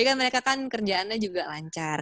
tapi kan mereka kan kerjaannya juga lancar